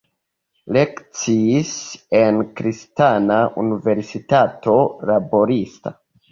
Lekciis en Kristana Universitato Laborista.